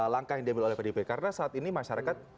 langkah yang diambil oleh pdip karena saat ini masyarakat